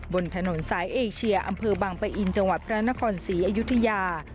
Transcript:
บนถนนสายเอเชียอำเภอบังปะอินจังหวัดพระนครศรีอยุธยา